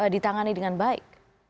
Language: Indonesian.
ditangani dengan baik